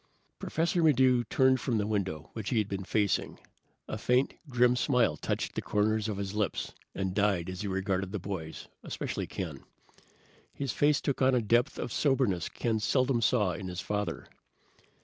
Professor Maddox turned from the window, which he had been facing. A faint, grim smile touched the corners of his lips and died as he regarded the boys, especially Ken. His face took on a depth of soberness Ken seldom saw in his father.